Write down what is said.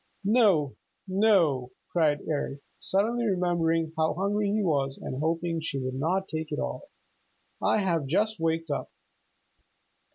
"No, no," cried Eric, suddenly remembering how hungry he was and hoping she would not take it all. "I have just waked up."